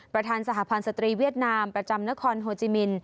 ประธานสหพันธ์สตรีเวียดนามประจำนครโฮจิมิน